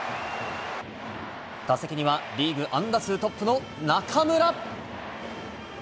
打席にはリーグ安打数トップの中村。